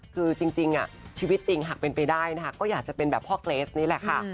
คือจริงชีวิตจริงหากเป็นไปได้นะคะก็อยากจะเป็นแบบพ่อเกรสนี่แหละค่ะ